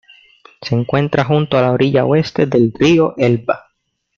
Se encuentra junto a la orilla oeste del río Elba.